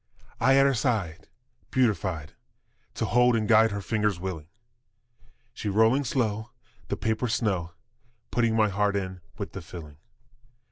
I at her side beatified, To hold and guide her fingers willing; She rolling slow the paper's snow, Putting my heart in with the filling.